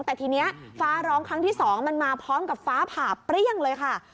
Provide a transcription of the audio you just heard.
แต่ทีนี้ฟ้าร้องครั้งที่๒มันมาพร้อมกับฟ้าผ่าเปรี้ยงเลยค่ะ